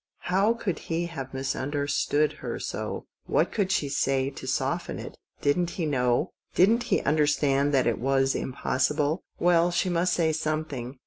How could he have misunderstood her so — what could she say to soften it ? Didn't he know ? Didn't he understand that it was impossible ? Well, she must say something.